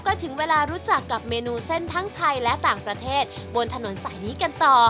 ก็ถึงเวลารู้จักกับเมนูเส้นทั้งไทยและต่างประเทศบนถนนสายนี้กันต่อ